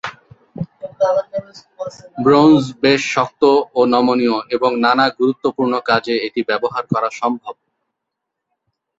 Bronze বেশ শক্ত ও নমনীয় এবং নানা গুরুত্বপূর্ণ কাজে এটি ব্যবহার করা সম্ভব।